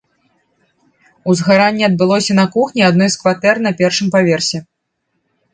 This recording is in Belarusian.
Узгаранне адбылося на кухні адной з кватэр на першым паверсе.